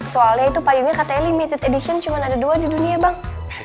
soalnya itu payungnya katanya limited edition cuma ada dua di dunia bang